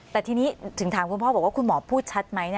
แต่ทีนี้ถึงถามคุณพ่อบอกว่าคุณหมอพูดชัดไหม